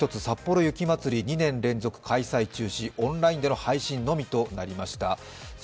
さっぽろ雪まつり２年連続開催中止、オンラインでの配信のみとなりました。